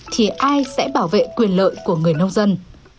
thì ai sẽ bảo vệ quyền lợi của người nông dân